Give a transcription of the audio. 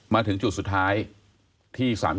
มาถึงจุดสุดท้ายที่๓๒